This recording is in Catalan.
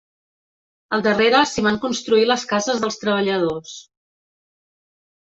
Al darrere s'hi van construir les cases dels treballadors.